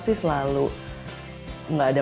sih selalu nggak ada